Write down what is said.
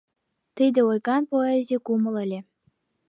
Тиде ойган поэзий кумыл ыле.